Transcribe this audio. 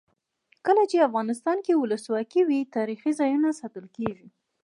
کله چې افغانستان کې ولسواکي وي تاریخي ځایونه ساتل کیږي.